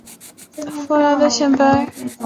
佛霍夫染色突出显示弹性蛋白。